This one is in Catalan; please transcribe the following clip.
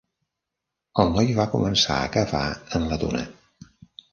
El noi va començar a cavar en la duna.